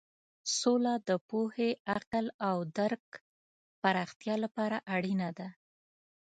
سوله د پوهې، عقل او درک پراختیا لپاره اړینه ده.